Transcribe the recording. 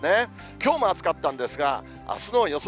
きょうも暑かったんですが、あすの予想